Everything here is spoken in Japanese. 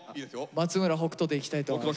松村北斗でいきたいと思います。